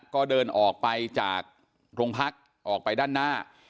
ก็เดินออกไปจากโรงพักออกไปด้านหน้า